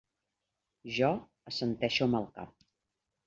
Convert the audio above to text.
Jo assenteixo amb el cap.